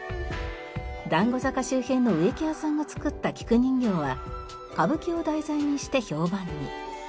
団子坂周辺の植木屋さんが作った菊人形は歌舞伎を題材にして評判に。